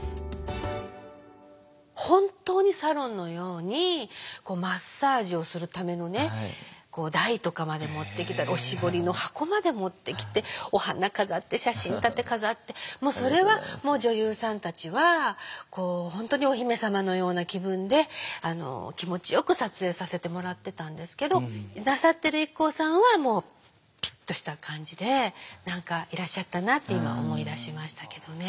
本当にサロンのようにマッサージをするためのね台とかまで持ってきておしぼりの箱まで持ってきてお花飾って写真立て飾ってもうそれは女優さんたちは本当になさってるＩＫＫＯさんはピッとした感じで何かいらっしゃったなって今思い出しましたけどね。